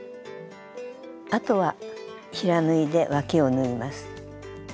あとは平縫いでわきを縫います。